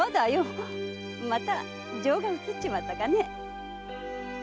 また情が移っちまったかね？